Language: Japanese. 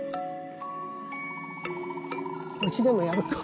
うちでもやるか？